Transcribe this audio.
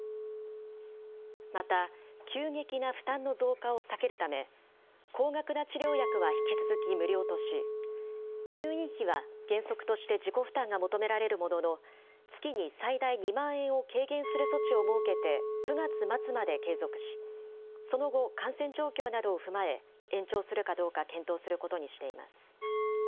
また、急激な負担の増加を避けるため、高額な治療薬は引き続き無料とし、入院費は原則として自己負担が求められるものの、月に最大２万円を軽減する措置を設けて、９月末まで継続し、その後、感染状況などを踏まえ、延長するかどうか検討することにしています。